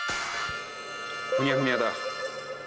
ふにゃふにゃだ。